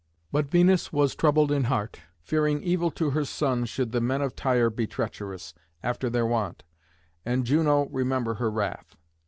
But Venus was troubled in heart, fearing evil to her son should the men of Tyre be treacherous, after their wont, and Juno remember her wrath.